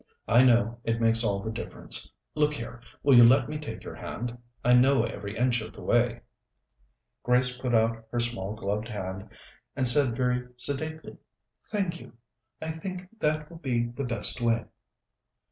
"I know; it makes all the difference. Look here, will you let me take your hand? I know every inch of the way." Grace put out her small gloved hand and said very sedately: "Thank you; I think that will be the best way."